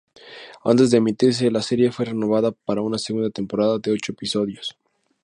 Antes de emitirse, la serie fue renovada para una segunda temporada de ocho episodios.